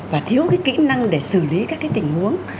và thiếu cái kỹ năng để xử lý các cái tình huống